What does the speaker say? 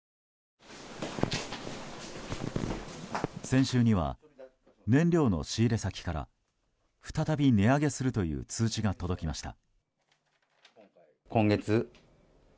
先週には、燃料の仕入れ先から再び値上げするという通知が届きました。